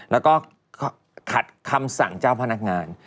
แล้วก็ขัดคำสั่งเจ้าพนักงาน